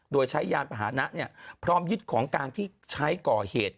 โดยใช้ยานพาหนะพร้อมยึดของกลางที่ใช้ก่อเหตุ